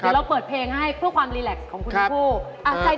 เดี๋ยวเราเปิดเพลงให้เพื่อความรีแล็กของคุณทั้งคู่